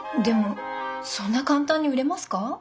でもそんな簡単に売れますか？